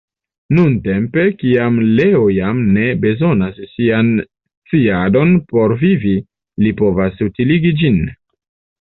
Nuntempe, kiam Leo jam ne bezonas sian sciadon por vivi, li povas utiligi ĝin.